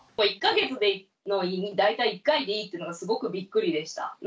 １か月で大体１回でいいというのがすごくびっくりでした。